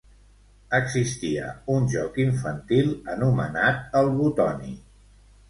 Existia un joc infantil anomenat el butoni.